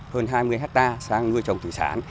hơn hai mươi hectare sang ngươi trồng thủy sản